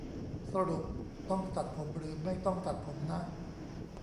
สรุปต้องตัดผมหรือไม่ต้องตัดผมนะ